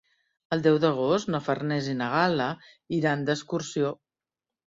El deu d'agost na Farners i na Gal·la iran d'excursió.